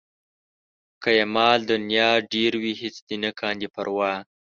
که یې مال د نيا ډېر وي هېڅ دې نه کاندي پروا